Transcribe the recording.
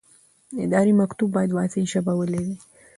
اداري مکتوب باید واضح ژبه ولري.